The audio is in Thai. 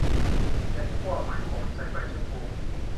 แกงคั่วหอยขม ใส่ใบชะพลู